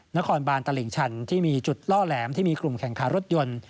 นครบานตลิ่งชันที่มีจุดล่อแหลมที่มีกลุ่มแข่งขารถยนต์